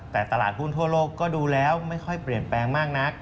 แต่ตลาดหุ้นทั่วโลกก็ดูแล้วไม่ค่อยเปลี่ยนแปลงมากนัก